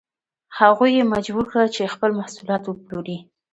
هغوی یې مجبور کړل چې خپل محصولات وپلوري.